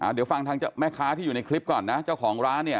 เดี๋ยวฟังทางแม่ค้าที่อยู่ในคลิปก่อนนะเจ้าของร้านเนี่ย